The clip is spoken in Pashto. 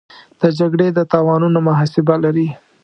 د جګړې د تاوانونو محاسبه لري.